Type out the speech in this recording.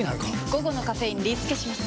午後のカフェインリスケします！